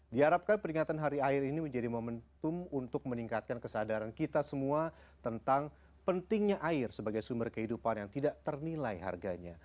diharapkan peringatan hari air ini menjadi momentum untuk meningkatkan kesadaran kita semua tentang pentingnya air sebagai sumber kehidupan yang tidak ternilai harganya